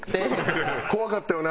怖かったよな？